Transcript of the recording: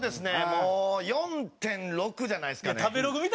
もう４．６じゃないですかね。